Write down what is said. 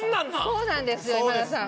そうなんですよ今田さん。